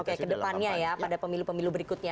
oke ke depannya ya pada pemilu pemilu berikutnya